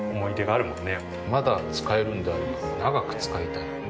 まだ使えるんであれば長く使いたい。